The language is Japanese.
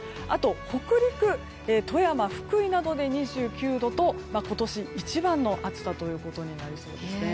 北陸、富山、福井などで２９度と今年一番の暑さということになりそうですね。